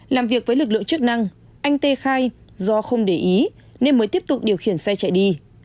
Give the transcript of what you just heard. làm việc với lực lượng chức năng anh tê khai do không để ý nên mới tiếp tục điều khiển xe chạy đi